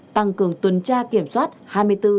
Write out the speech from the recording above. tăng cường tuần tra kiểm soát hai mươi bốn